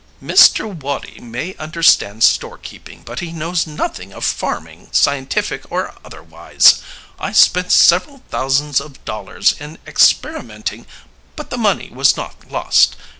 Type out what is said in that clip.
"Mr. Woddie may understand storekeeping, but he knows nothing of farming, scientific or otherwise. I spent several thousands of dollars in experimenting, but the money was not lost.